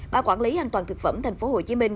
ban quản lý an toàn thực phẩm thành phố hồ chí minh